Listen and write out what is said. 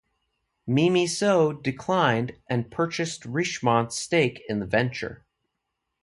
Mimi So declined and purchased Richemont's stake in the venture.